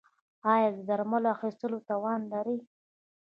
ایا د درملو اخیستلو توان لرئ؟